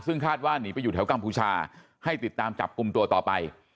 ซึ่งคาดว่าหนีไปอยู่แถวกัมพูชาให้ติดตามจับกลุ่มตัวต่อไป